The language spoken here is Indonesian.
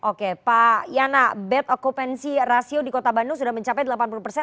oke pak yana bed okupansi rasio di kota bandung sudah mencapai delapan puluh persen